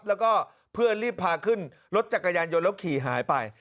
แล้วก็เพื่อนรีบพาขึ้นรถจักรยานยนต์แล้วขี่หายไป